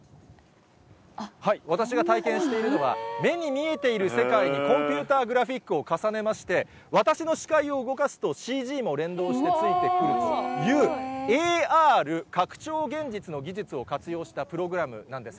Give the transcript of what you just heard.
私が体験しているのは、目に見えている世界にコンピューターグラフィックを重ねまして、私の視界を動かすとＣＧも連動してついてくるというＡＲ・拡張現実の技術を活用したプログラムなんです。